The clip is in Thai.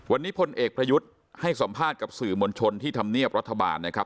วันนี้พลเอกประยุทธ์ให้สัมภาษณ์กับสื่อมวลชนที่ธรรมเนียบรัฐบาลนะครับ